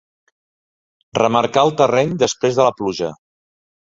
Remarcar el terreny després de la pluja.